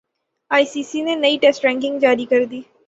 ئی C C نے نئی ٹیسٹ رینکنگ جاری کردی